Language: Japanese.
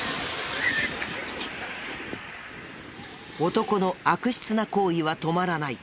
男の悪質な行為は止まらない。